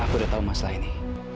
aku udah tahu masalah ini